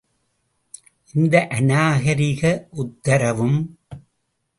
இந்த அநாகரிக உத்தரவும்.